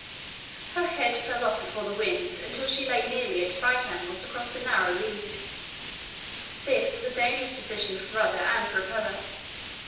Her head fell off before the wind until she lay nearly at right angles across the narrow lead. This was a dangerous position for rudder and propeller.